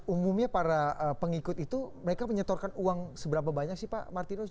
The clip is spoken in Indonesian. umumnya para pengikut itu mereka menyetorkan uang seberapa banyak sih pak martinus